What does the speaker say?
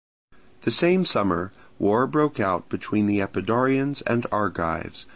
The same summer war broke out between the Epidaurians and Argives.